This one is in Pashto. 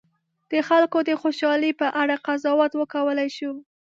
د خلکو د خوشالي په اړه قضاوت وکولای شو.